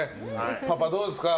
パパ、どうですか？